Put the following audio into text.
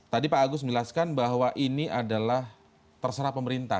tadi pak agus menjelaskan bahwa ini adalah terserah pemerintah